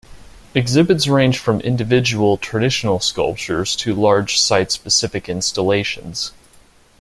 Exhibits range from individual, traditional sculptures to large site-specific installations.